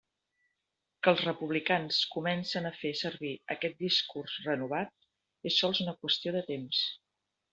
Que els republicans comencen a fer servir aquest discurs renovat és sols una qüestió de temps.